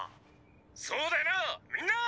「そうだよなみんな？」